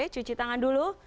cuci tangan dulu